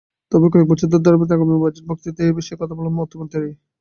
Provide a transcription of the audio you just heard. তবে কয়েক বছরের ধারাবাহিকতায় আগামী বাজেট বক্তৃতায়ও এ বিষয়ে কথা বলবেন অর্থমন্ত্রী।